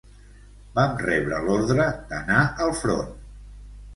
Vam rebre l'ordre d'anar al front